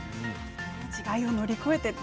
違いを乗り越えてと。